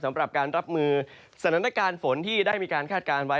สำหรับการรับมือสถานการณ์ฝนที่ได้มีการคาดการณ์ไว้